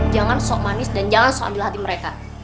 jangan sok manis dan jangan sok ambil hati mereka